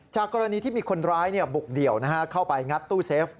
กรณีที่มีคนร้ายบุกเดี่ยวเข้าไปงัดตู้เซฟ